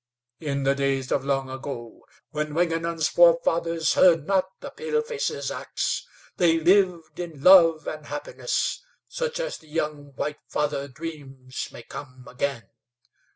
In the days of long ago, when Wingenund's forefathers heard not the paleface's ax, they lived in love and happiness such as the young White Father dreams may come again.